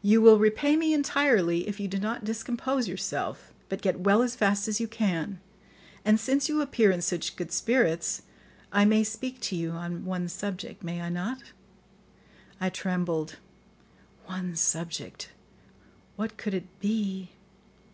"You will repay me entirely if you do not discompose yourself, but get well as fast as you can; and since you appear in such good spirits, I may speak to you on one subject, may I not?" I trembled. One subject! What could it be?